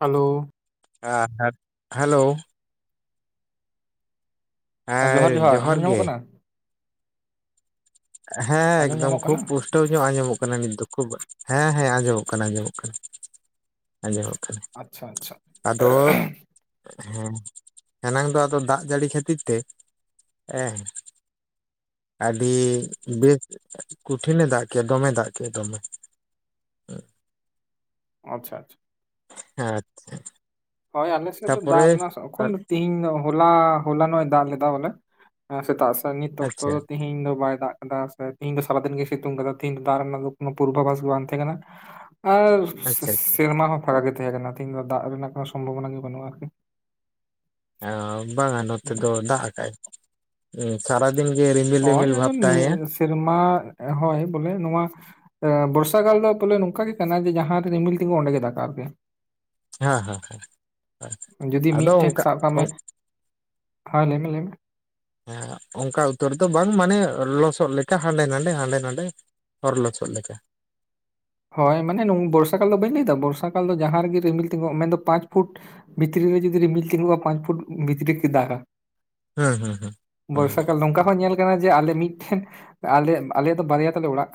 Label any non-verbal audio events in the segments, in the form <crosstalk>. Hello ᱦᱮᱸ hello ᱡᱚᱦᱟᱨ, ᱦᱮᱸ ᱡᱚᱦᱟᱨ ᱟᱸᱡᱚᱢ ᱧᱟᱢᱚᱜ ᱜᱮ ᱠᱟᱱᱟ? ᱦᱮᱸ ᱟᱸᱡᱚᱢ ᱮᱠᱫᱚᱢ ᱧᱟᱢᱚᱜ ᱠᱟᱱᱟ ᱠᱷᱩᱵ ᱯᱩᱥᱴ ᱴᱟᱹᱣ ᱧᱚᱜ ᱟᱸᱡᱚᱢᱚᱜ ᱠᱟᱱᱟ ᱱᱤᱛ ᱫᱚ᱾ ᱠᱷᱩᱵ ᱦᱮᱸ ᱦᱮᱸ ᱟᱸᱡᱚᱢᱚᱜ ᱠᱟᱱᱟ ᱟᱸᱡᱚᱢᱚᱜ ᱠᱟᱱᱟ᱾ ᱟᱸᱡᱚᱢᱚᱜ ᱠᱟᱱᱟ᱾ ᱟᱪᱪᱷᱟ ᱟᱪᱪᱷᱟ ᱟᱫᱚ ᱦᱮᱸ ᱮᱱᱟᱝ ᱫᱚ ᱟᱫᱚ ᱫᱟᱜ ᱡᱟᱹᱲᱤ ᱠᱷᱟᱹᱛᱤᱨ ᱛᱮ ᱦᱮᱸ ᱟᱹᱰᱤ ᱵᱮᱥ ᱠᱚᱴᱷᱤᱱ ᱮ ᱫᱟᱜ ᱠᱮᱫᱼᱟ᱾ ᱫᱚᱢᱮ ᱫᱟᱜ ᱠᱮᱫᱼᱟ᱾ ᱫᱚᱢᱮ ᱟᱪᱪᱷᱟ᱾ ᱦᱮᱸ ᱟᱪᱪᱷᱟ᱾ ᱦᱚᱭ ᱟᱞᱮ ᱥᱮᱜ ᱫᱚ ᱫᱟᱜ ᱨᱮᱱᱟᱜ ᱥᱚ ᱚᱠᱷᱚᱱ ᱫᱚ ᱛᱤᱦᱤᱧ ᱫᱚ ᱦᱚᱞᱟ ᱦᱚᱞᱟ ᱱᱚᱜ ᱮ ᱫᱟᱜ ᱞᱮᱫᱟ ᱵᱚᱞᱮ ᱮᱸ ᱥᱮᱛᱟᱜ ᱥᱮ, ᱱᱤᱛ ᱚᱠᱛᱚ ᱟᱪᱪᱷᱟ ᱫᱚ ᱛᱤᱦᱤᱧ ᱫᱚ ᱵᱟᱭ ᱫᱟᱜ ᱠᱟᱫᱟ ᱥᱮ ᱛᱤᱦᱤᱧ ᱫᱚ ᱥᱟᱨᱟ ᱫᱤᱱ ᱜᱮ ᱥᱤᱛᱩᱝ ᱠᱟᱫᱟ᱾ ᱛᱤᱦᱤᱧ ᱫᱚ ᱫᱟᱜ ᱨᱮᱱᱟᱜ ᱫᱚ ᱠᱚᱱᱚ ᱯᱩᱨᱵᱷᱟ ᱵᱟᱥ ᱜᱮ ᱵᱟᱝ ᱛᱮᱦᱮᱸ ᱠᱟᱱᱟ ᱟᱨ ᱥᱮᱻ ᱟᱪᱪᱷᱟ ᱟᱪᱪᱷᱟ ᱥᱮᱨᱢᱟ ᱦᱚᱸ ᱯᱷᱟᱸᱠᱟ ᱜᱮ ᱛᱮᱦᱮᱸ ᱠᱟᱱᱟ᱾ ᱛᱤᱦᱤᱧ ᱫᱚ ᱫᱟᱜ ᱨᱮᱱᱟᱜ ᱠᱚᱱᱚ ᱥᱚᱢᱵᱷᱚᱵᱚᱱᱟ ᱜᱮ ᱵᱟᱹᱱᱩᱜᱼᱟ ᱟᱹᱨᱠᱤ᱾ ᱮᱸ ᱵᱟᱝ-ᱟ ᱱᱚᱛᱮ ᱫᱚ ᱫᱟᱜ ᱟᱠᱟᱭ᱾ ᱮ ᱥᱟᱨᱟ ᱫᱤᱱ ᱜᱮ ᱨᱤᱢᱤᱞ ᱦᱳᱭ ᱨᱤᱢᱤᱞ ᱟᱫᱚ ᱵᱷᱟᱵᱽ ᱛᱟᱦᱮᱸᱭᱟ᱾ ᱱᱤᱭᱟᱹ ᱥᱮᱨᱢᱟ ᱮ ᱦᱚᱭ ᱵᱚᱞᱮ ᱱᱚᱣᱟ ᱮ ᱵᱚᱨᱥᱟ ᱠᱟᱞ ᱫᱚ ᱯᱚᱞᱮ ᱱᱚᱝᱠᱟ ᱜᱮ ᱠᱟᱱᱟ ᱡᱮ ᱡᱟᱦᱟᱸ ᱨᱮ ᱨᱤᱢᱤᱞ ᱛᱤᱝᱜᱩ ᱱᱟ, ᱚᱸᱰᱮ ᱜᱮ ᱫᱟᱜᱼᱟᱭ ᱟᱹᱨᱠᱤ᱾ ᱦᱮᱸ ᱦᱮᱸ ᱡᱩᱫᱤ ᱟᱫᱚ ᱢᱤᱫ ᱴᱷᱮᱱ ᱚᱱᱠᱟ ᱥᱟᱵᱽ ᱠᱟᱜ ᱢᱮ ᱦᱚᱸ ᱞᱟᱹᱭ ᱢᱮ, ᱞᱟᱹᱭ ᱢᱮ? ᱦᱮᱸ ᱚᱱᱠᱟ ᱩᱛᱟᱹᱨ ᱫᱚ ᱵᱟᱝ, ᱢᱟᱱᱮ ᱞᱚᱥᱚᱫ ᱞᱮᱠᱟ᱾ ᱦᱟᱸᱰᱮ ᱱᱟᱸᱰᱮ ᱦᱟᱸᱰᱮ ᱱᱟᱸᱰᱮ ᱦᱚᱨ ᱞᱚᱥᱚᱫ ᱞᱮᱠᱟ᱾ ᱦᱚᱭ ᱢᱟᱱᱮ ᱱᱚᱜ ᱵᱚᱨᱥᱟ ᱠᱟᱞ ᱫᱚ ᱵᱟᱹᱧ ᱞᱟᱹᱭ ᱮᱫᱟ, ᱵᱚᱨᱥᱟ ᱠᱟᱞ ᱫᱚ ᱡᱟᱦᱟᱸ ᱨᱮᱜᱮ ᱨᱤᱢᱤᱞ ᱛᱤᱸᱜᱩᱜ ᱢᱮᱱ ᱫᱚ ᱯᱟᱸᱪ ᱯᱷᱩᱴ ᱵᱷᱤᱛᱨᱤ ᱨᱮ ᱡᱩᱫᱤ ᱨᱤᱢᱤᱞ ᱛᱤᱸᱜᱩᱜᱼᱟ᱾ ᱯᱟᱸᱪ ᱯᱷᱩᱴ ᱵᱷᱤᱛᱨᱤ ᱠᱤ ᱫᱟᱜᱼᱟᱭ᱾ ᱦᱩᱸ ᱦᱩᱸ ᱦᱩᱸ ᱦᱩᱸ ᱵᱚᱨᱥᱟ ᱠᱟᱞ ᱱᱚᱝᱠᱟ ᱦᱚᱸ ᱧᱮᱞ ᱠᱟᱱᱟ ᱡᱮ ᱟᱞᱮ ᱢᱤᱫᱴᱷᱮᱱ ᱟᱞᱮᱭᱟᱜ ᱟᱞᱮᱭᱟᱜ ᱫᱚ ᱵᱟᱨᱭᱟ ᱛᱟᱞᱮ ᱚᱲᱟᱜ᱾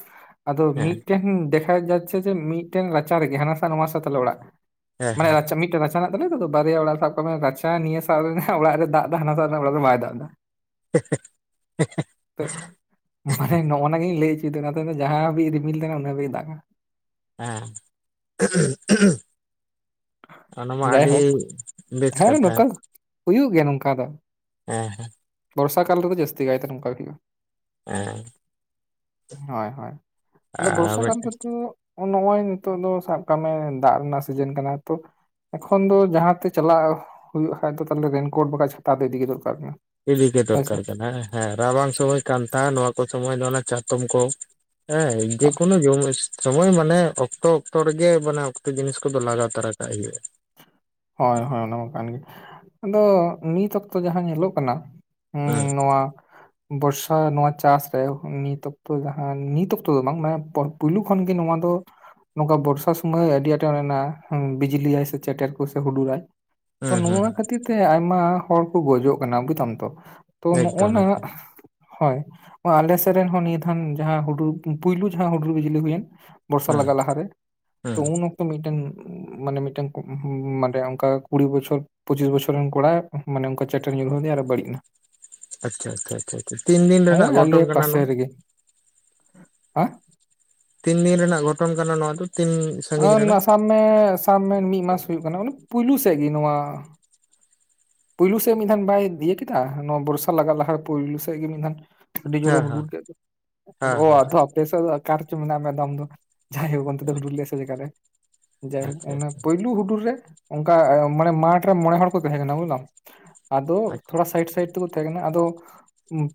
ᱟᱫᱚ ᱦᱮᱸ ᱢᱤᱫᱴᱮᱱ ᱰᱮᱠᱼᱼ ᱠᱷᱟᱡ ᱡᱟᱪᱪᱷᱮ ᱡᱮ ᱢᱤᱫᱴᱮᱱ ᱨᱟᱪᱟ ᱨᱮᱜᱮ ᱦᱟᱱᱟ ᱥᱟ ᱱᱚᱣᱟ ᱥᱟ ᱛᱟᱞᱮ ᱚᱲᱟᱜ᱾ ᱦᱮᱸ ᱢᱟᱱᱮ ᱦᱮᱸ ᱨᱟᱪᱟ ᱢᱤᱫᱴᱮᱱ ᱨᱟᱪᱟ ᱢᱮᱱᱟᱜ ᱛᱟᱞᱮᱭᱟ ᱛᱚ ᱟᱫᱚ ᱵᱟᱨᱭᱟ ᱟᱲᱟᱜ ᱨᱮ ᱥᱟᱵ ᱠᱟᱜ ᱢᱮ ᱨᱟᱪᱷᱟ ᱱᱤᱭᱟᱹ ᱥᱟ ᱨᱮᱱᱟᱜ ᱚᱲᱟᱜ ᱨᱮ ᱫᱟᱜ ᱫᱟ, ᱦᱟᱱᱟ ᱥᱟ ᱨᱮᱱᱟᱜ ᱚᱲᱟᱜ ᱨᱮ ᱵᱟᱭ ᱫᱟᱜ ᱫᱟ᱾ ᱮ ᱦᱮ ᱮ ᱦᱮ᱾ ᱛᱚᱜ ᱢᱟᱱᱮ ᱱᱚᱜ-ᱚᱭ ᱱᱟ ᱜᱤᱧ ᱞᱟᱹᱭ ᱩᱪᱩᱭ ᱮᱫᱟ᱾ ᱚᱱᱟ ᱫᱚ ᱡᱟᱦᱟᱸ ᱦᱟᱹᱵᱤᱡ ᱨᱤᱢᱤᱞ ᱛᱟᱦᱮᱱᱟ ᱩᱱᱟᱹᱜ ᱮ ᱦᱟᱹᱵᱤᱡ ᱫᱟᱜᱟ᱾ ᱦᱮᱸ, ᱩᱦᱩᱸ ᱩᱦᱩᱸ᱾ ᱚᱱᱟ ᱢᱟ ᱟᱹᱰᱤ ᱡᱟᱭᱦᱳᱠ ᱵᱮᱥ ᱦᱮᱸ ᱠᱟᱛᱷᱟ᱾ ᱱᱚᱝᱠᱟ ᱦᱩᱭᱩᱜ ᱜᱮᱭᱟ, ᱱᱚᱝᱠᱟ ᱫᱚ᱾ ᱮᱸ ᱦᱮᱸ᱾ ᱵᱚᱨᱥᱟ ᱠᱟᱞ ᱨᱮ ᱫᱚ ᱡᱟᱹᱥᱛᱤ ᱠᱟᱭ ᱛᱮ ᱱᱚᱝᱠᱟ ᱦᱩᱭᱩᱜᱼᱟ᱾ ᱮᱸᱻ᱾ ᱦᱚᱭ ᱦᱚᱭ ᱟᱫᱚ ᱟᱨ ᱵᱚᱨᱥᱟ ᱠᱟᱞ ᱢᱤᱫᱴᱮᱱ ᱨᱮᱫᱚ ᱚᱻ ᱱᱚᱜᱼᱚᱭ ᱱᱤᱛᱚᱜ ᱫᱚ ᱥᱟᱵ ᱠᱟᱜ ᱢᱮ, ᱫᱟᱜ ᱨᱮᱱᱟᱜ ᱥᱤᱡᱮᱱ ᱠᱟᱱᱟ᱾ ᱛᱚ ᱮᱠᱷᱚᱱ ᱫᱚ ᱡᱟᱦᱟᱸ ᱛᱮ ᱪᱟᱞᱟᱜ ᱦᱩᱭᱩᱜ ᱠᱷᱟᱡ ᱫᱚ ᱛᱟᱦᱞᱮ ᱨᱮᱱᱠᱳᱴ ᱵᱟᱠᱷᱟᱡ ᱪᱷᱟᱛᱟ ᱫᱚ ᱤᱫᱤ ᱜᱮ ᱫᱚᱨᱠᱟᱨ ᱜᱮᱭᱟ᱾ ᱤᱫᱤ ᱜᱮ ᱫᱚᱨᱠᱟᱨ ᱠᱟᱱᱟ ᱦᱮᱸ, ᱦᱮᱸ ᱨᱟᱵᱟᱝ ᱥᱚᱢᱚᱭ ᱠᱟᱱᱛᱷᱟ᱾ ᱱᱚᱣᱟ ᱠᱚ ᱥᱚᱢᱚᱭ ᱫᱚ ᱚᱱᱟ ᱪᱟᱛᱚᱢ ᱠᱚ᱾ ᱦᱮᱸ ᱡᱮ ᱠᱚᱱᱚ ᱡᱤᱱᱤᱥ ᱥᱚᱢᱚᱭ ᱢᱟᱱᱮ ᱚᱠᱛᱚ ᱚᱠᱛᱚ ᱨᱮᱜᱮ ᱢᱟᱱᱮ, ᱚᱠᱛᱮ ᱡᱤᱱᱤᱥ ᱠᱚᱫᱚ ᱞᱟᱜᱟ ᱛᱟᱨᱟ ᱠᱟᱜ ᱜᱮᱭᱟ᱾ ᱦᱳᱭ ᱦᱳᱭ, ᱚᱱᱟ ᱢᱟ ᱠᱟᱱ ᱜᱮ᱾ ᱟᱫᱚ ᱱᱤᱛ ᱚᱠᱛᱚ ᱡᱟᱦᱟᱸ ᱧᱮᱞᱚᱜ ᱠᱟᱱᱟ ᱦᱮᱸᱻ ᱦᱩᱸ ᱱᱚᱣᱟ ᱵᱚᱨᱥᱟ ᱱᱚᱣᱟ ᱪᱟᱥ ᱨᱮ ᱱᱤᱛ ᱚᱠᱛᱚ, ᱡᱟᱦᱟᱸ ᱱᱤᱛ ᱚᱠᱛᱚ ᱫᱚ ᱵᱟᱝ ᱢᱟᱱᱮ ᱯᱚᱨ ᱯᱩᱭᱞᱩ ᱠᱷᱚᱱ ᱜᱮ ᱱᱚᱣᱟ ᱫᱚ ᱱᱚᱝᱠᱟ ᱵᱚᱨᱥᱟ ᱥᱚᱢᱚᱭ ᱟᱹᱰᱤ ᱟᱸᱴᱮ ᱚᱱᱮ ᱚᱱᱟ ᱵᱤᱡᱽᱞᱤᱭ ᱥᱮ ᱪᱮᱴᱮᱨ ᱠᱩ ᱥᱮ ᱦᱩᱰᱩᱨᱟᱭ, ᱛᱚ ᱦᱩᱸ ᱦᱩᱸ ᱱᱚᱣᱟ ᱦᱩᱸ ᱠᱷᱟᱹᱛᱤᱨ ᱛᱮ ᱟᱭᱢᱟ ᱦᱚᱲ ᱠᱚ ᱜᱚᱡᱚᱜ ᱠᱟᱱᱟ ᱵᱩᱪ ᱛᱟᱢ ᱛᱚ? ᱛᱚ ᱱᱚᱜᱼᱚᱭ ᱮᱠᱫᱚᱢ ᱱᱚᱣᱟ ᱮᱠᱫᱚᱢ ᱦᱚᱭ ᱚᱻ ᱟᱞᱮ ᱥᱮᱜ ᱨᱮᱱ ᱦᱚᱸ ᱱᱤᱭᱟᱹ ᱫᱷᱟᱱ ᱡᱟᱦᱟᱸ ᱦᱩᱰᱩᱨ ‌ᱯᱩ ᱯᱩᱭᱞᱩ ᱡᱟᱦᱟᱸ ᱦᱩᱰᱩᱨ ᱵᱤᱡᱽᱞᱤ ᱦᱩᱭᱮᱱᱼᱼ ᱵᱚᱨᱥᱟ ᱦᱩᱸ ᱞᱟᱜᱟᱜ ᱞᱟᱦᱟ ᱨᱮ, ᱦᱩᱸ ᱛᱚ ᱩᱱ ᱚᱠᱛᱚ ᱢᱤᱫᱴᱮᱱ ᱩᱸᱻ ᱢᱟᱱᱮ ᱢᱤᱫᱴᱮᱱ ᱩᱸᱢᱻ ᱢᱟᱱᱮ ᱚᱱᱠᱟ ᱠᱩᱲᱤ ᱵᱚᱪᱷᱚᱨ ᱯᱚᱪᱤᱥ ᱵᱚᱪᱷᱚᱨ ᱨᱮᱱ ᱠᱚᱲᱟ ᱢᱟᱱᱮ ᱚᱱᱠᱟ ᱪᱮᱴᱮᱨ ᱧᱩᱨᱦᱟᱹᱣ ᱫᱤᱭᱟ ᱟᱨᱮ ᱵᱟᱹᱲᱤᱡ ᱱᱟ᱾ ᱟᱪᱪᱷᱟ ᱟᱪᱷᱟ ᱟᱪᱷᱟ ᱪᱷᱟ ᱛᱤᱱ ᱫᱤᱱ ᱨᱮᱱᱟᱜ ᱦᱚᱸᱜᱼᱚᱭ ᱟᱞᱮ ᱜᱷᱚᱴᱚᱱ ᱠᱟᱱᱟ ᱯᱟᱥᱮ ᱱᱚᱣᱟ? ᱨᱮᱜᱮ <unintelligible> ᱛᱤᱱ ᱫᱤᱱ ᱨᱮᱱᱟᱜ ᱜᱷᱚᱴᱚᱱ ᱠᱟᱱᱟ ᱱᱚᱣᱟ ᱫᱚ ᱛᱤᱱᱥᱼᱼ ᱟᱸᱻ ᱱᱟ ᱥᱟᱵ ᱢᱮ ᱥᱟᱵ ᱢᱮ ᱢᱤᱜ ᱢᱟᱥ ᱦᱩᱭᱩᱜ ᱠᱟᱱᱟ ᱯᱩᱭᱞᱩ ᱥᱮᱜ ᱜᱤ ᱱᱚᱣᱟᱼᱼ ᱯᱩᱭᱞᱩ ᱥᱮᱜ ᱢᱤᱫ ᱫᱷᱟᱱ ᱵᱟᱭ ᱤᱭᱟᱹ ᱠᱮᱫᱟ ᱱᱚᱣᱟ ᱵᱚᱨᱥᱟ ᱞᱟᱜᱟ ᱞᱟᱦᱟ ᱨᱮ ᱯᱩᱭᱞᱩ ᱥᱮᱜ ᱜᱤ ᱢᱤᱫ ᱫᱷᱟᱱᱼᱼ ᱟᱹᱰᱤ ᱡᱳᱨᱮ ᱦᱮᱸ ᱦᱮᱸ ᱦᱩᱰᱩᱨ ᱠᱮᱜ ᱫᱚ ᱟᱫᱚ ᱦᱮᱸ ᱚᱻ ᱦᱮᱸ ᱟᱫᱚ ᱟᱯᱮ ᱥᱮᱜ ᱟᱠᱟ ᱨᱮᱪᱚ ᱢᱮᱱᱟᱜ ᱢᱮ ᱟᱢ ᱫᱚ᱾ ᱡᱟᱭᱦᱳᱠ ᱚᱱᱛᱮ ᱫᱚ ᱦᱩᱰᱩᱨ ᱞᱮᱜ-ᱟᱭ ᱥᱮ ᱡᱟᱭᱜᱟ ᱨᱮ ᱡᱟᱭᱦᱳᱠ ᱟᱪᱪᱷᱟ ᱚᱱᱟ ᱯᱩᱭᱞᱩ ᱦᱩᱰᱩᱨ ᱨᱮᱼᱼ ᱚᱱᱠᱟ ᱢᱟᱱᱮ ᱢᱟᱴ ᱨᱮ ᱢᱚᱬᱮ ᱦᱚᱲ ᱠᱚ ᱛᱟᱦᱮᱸ ᱠᱟᱱᱟ ᱵᱩᱡᱞᱟ ᱟᱫᱚ ᱛᱷᱚᱲᱟ ᱥᱟᱭᱤᱴ-ᱥᱟᱭᱤᱴ ᱠᱩ ᱛᱟᱦᱮᱸ ᱠᱟᱱᱟ ᱟᱫᱚᱼᱼᱼ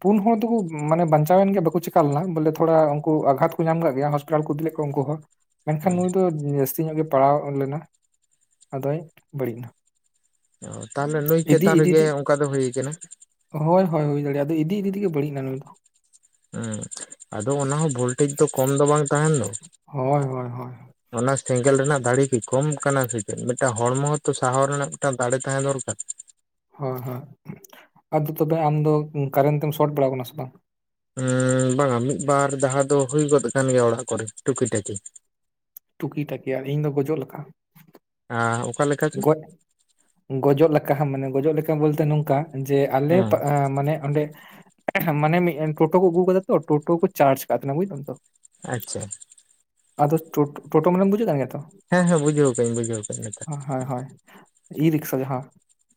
ᱯᱩᱱ ᱦᱚᱲ ᱫᱚᱠᱚ ᱢᱟᱱᱮ ᱵᱟᱧᱪᱟᱣ ᱮᱱ ᱜᱮᱭᱟ ᱵᱟᱠᱚ ᱪᱤᱠᱟ ᱞᱮᱱᱟ ᱾ ᱵᱚᱞᱮ ᱛᱷᱚᱲᱟ ᱩᱱᱠᱩ ᱟᱜᱷᱟᱛ ᱠᱚ ᱧᱟᱢ ᱠᱟᱜ ᱜᱮᱭᱟ᱾ ᱤᱫᱤ ᱞᱮᱫ ᱠᱚᱣᱟ ᱩᱱᱠᱩ ᱦᱚᱸ᱾ ᱢᱮᱱᱠᱷᱟᱱ ᱟᱪᱪᱷᱟ ᱱᱩᱭ ᱫᱚ ᱡᱟᱹᱥᱛᱤ ᱧᱚᱜ ᱜᱮ ᱯᱟᱲᱟᱣ ᱞᱮᱱᱟ᱾ ᱟᱫᱚᱭ ᱵᱟᱹᱲᱤᱡ ᱮᱱᱟ᱾ ᱚ ᱛᱟᱦᱚᱞᱮ ᱱᱩᱭ ᱤᱫᱤ ᱪᱮᱛᱟᱱ ᱤᱫᱤ ᱨᱮᱜᱮ ᱛᱮ ᱚᱱᱠᱟ ᱫᱚ ᱦᱩᱭ ᱠᱟᱱᱟ᱾ ᱦᱳᱭ ᱦᱳᱭ ᱦᱩᱭ ᱫᱟᱲᱮᱭᱟᱜᱼᱟ, ᱟᱫᱚ ᱤᱫᱤ-ᱤᱫᱤ ᱛᱮᱜᱮ ᱵᱟᱹᱲᱤᱡ ᱮᱱᱟ ᱱᱩᱭ ᱫᱚ᱾ ᱦᱩᱸ ᱟᱫᱚ ᱚᱱᱟ ᱦᱚᱸ ᱵᱷᱳᱽᱞᱴᱮᱡ ᱫᱚ ᱠᱚᱢ ᱫᱚ ᱵᱟᱝ ᱛᱟᱦᱮᱱ ᱫᱚ᱾ ᱦᱳᱭ ᱦᱳᱭ ᱦᱳᱭ ᱚᱱᱟ ᱥᱮᱸᱜᱮᱞ ᱨᱮᱱᱟᱜ ᱫᱟᱲᱮ ᱠᱤ ᱠᱚᱢ ᱠᱟᱱᱟ ᱥᱮ ᱪᱮᱫ ᱢᱤᱫᱴᱟᱝ ᱦᱚᱲᱢᱚ ᱦᱚᱸᱛᱚ ᱥᱟᱦᱟᱣ ᱨᱮᱱᱟᱜ ᱢᱤᱫᱴᱟᱝ ᱫᱟᱲᱮ ᱛᱟᱦᱮᱸ ᱫᱚᱨᱠᱟᱨ᱾ ᱦᱚᱸ - ᱦᱚᱸ ᱟᱫᱚ ᱛᱚᱵᱮ ᱟᱢᱫᱚ ᱠᱟᱨᱮᱱᱴ ᱛᱮᱢ ᱥᱚᱨᱴ ᱵᱟᱲᱟ ᱟᱠᱟᱱᱟ ᱥᱮ ᱵᱟᱝ? ᱮᱸᱻ ᱵᱟᱝ-ᱟ ᱢᱤᱫ ᱵᱟᱨ ᱡᱟᱦᱟᱸ ᱫᱚ ᱦᱩᱭ ᱜᱚᱫ ᱠᱟᱱ ᱜᱮᱭᱟ ᱚᱲᱟᱜ ᱠᱚᱨᱮ ᱴᱩᱠᱤ ᱴᱟᱠᱤ᱾ ᱴᱩᱠᱤ ᱴᱟᱠᱤ ᱟᱨ ᱤᱧ ᱫᱚ ᱜᱚᱡᱚᱜ ᱞᱮᱠᱟ᱾ ᱟᱸᱻ ᱚᱠᱟ ᱞᱮᱠᱟ ᱪᱚ? ᱜᱚᱡ ᱜᱚᱡᱚᱜ ᱞᱮᱠᱟ ᱢᱟᱱᱮ ᱜᱚᱡᱚᱜ ᱞᱮᱠᱟ ᱵᱚᱞᱛᱮ ᱱᱚᱝᱠᱟ ᱡᱮ ᱟᱞᱮ ᱦᱮᱸ ᱢᱟᱱᱮ ᱚᱸᱰᱮ ᱦᱮᱸ ᱢᱟᱱᱮ ᱢᱤᱫ ᱴᱳᱴᱳ ᱠᱚ ᱟᱹᱜᱩ ᱠᱟᱫᱟ ᱛᱚ, ᱴᱳᱴᱳ ᱠᱚ ᱪᱟᱨᱡ ᱟᱠᱟᱫ ᱛᱟᱦᱮᱸᱱᱟ ᱵᱩᱡ ᱮᱫᱟᱢ ᱛᱚ᱾ ᱟᱪᱪᱷᱟ ᱟᱫᱚ ᱴᱳ ᱴᱳᱴᱳ ᱢᱟᱱᱮ ᱵᱩᱡᱩ ᱮᱫ ᱠᱟᱱ ᱜᱮᱭᱟ ᱛᱚ᱾ ᱦᱮᱸ ᱦᱮᱸ ᱵᱩᱡᱷᱟᱹᱣ ᱠᱟᱤᱧ ᱵᱩᱡᱷᱟ. ᱣ ᱟᱠᱟᱫᱟ ᱞᱮ ᱦᱳᱭᱼᱦᱳᱭ ᱦᱳᱭ ᱤ ᱨᱤᱠᱥᱟ ᱜᱮ ᱦᱚᱸ